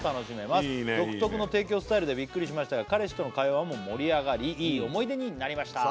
いいねいいね「独特の提供スタイルでビックリしましたが彼氏との会話も盛り上がり」「いい思い出になりました」